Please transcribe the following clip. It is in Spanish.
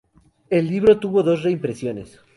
El libro tuvo dos reimpresiones.